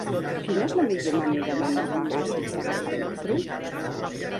Quina és la millor manera d'anar a Bagà sense agafar el metro?